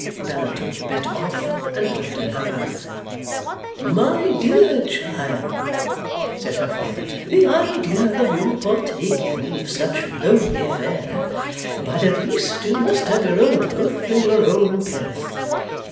Bella took the bit off, and put it in her mouth. 'My dear child,' said her father, 'the idea of your partaking of such lowly fare! But at least you must have your own loaf and your own penn'orth.